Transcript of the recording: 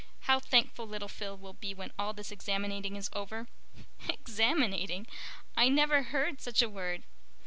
How thankful little Phil will be when all this examinating is over." "Examinating? I never heard such a word."